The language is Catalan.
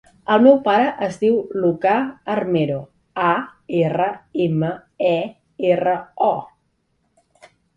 El meu pare es diu Lucà Armero: a, erra, ema, e, erra, o.